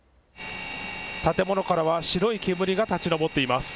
建物からは白い煙が立ち上っています。